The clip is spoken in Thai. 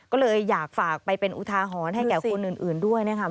ก็เลยอยากฝากไปเป็นอุทาหรณ์ให้แก่คนอื่นด้วยนะครับ